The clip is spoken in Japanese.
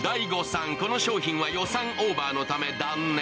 ＤＡＩＧＯさん、この商品は予算オーバーのため断念。